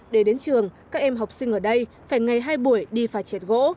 để đến trường các em học sinh ở đây phải ngày hai buổi đi phải chẹt gỗ